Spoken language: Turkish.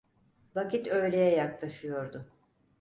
Vakit öğleye yaklaşıyordu.